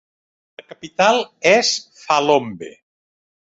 La capital és Phalombe.